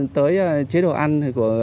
tới chế độ ăn của